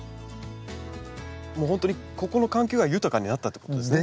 本当にここの環境が豊かになったってことですね。